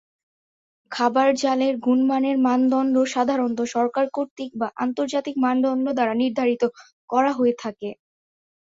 খাবার জলের গুণমানের মানদন্ড সাধারণত সরকার কর্তৃক বা আন্তর্জাতিক মানদন্ড দ্বারা নির্ধারিত করা হয়ে থাকে।